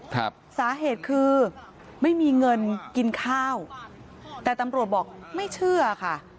ครับสาเหตุคือไม่มีเงินกินข้าวแต่ตำรวจบอกไม่เชื่อค่ะ